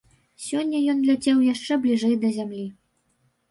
Сёння ён ляцеў яшчэ бліжэй да зямлі.